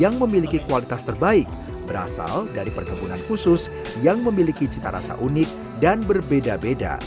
dan juga memiliki kualitas terbaik berasal dari perkebunan khusus yang memiliki cita rasa unik dan berbeda beda